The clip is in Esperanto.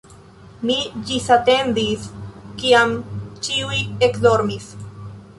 Mi ĝisatendis, kiam ĉiuj ekdormis.